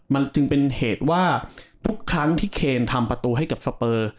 มันจึงเป็นเหตุว่าทุกครั้งที่เคนทำประตูให้กับสเปอร์